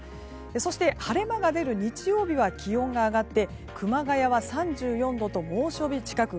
そして、晴れ間が出る日曜日は気温が上がって熊谷は３４度と猛暑日近く。